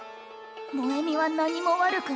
萌美は何も悪くない。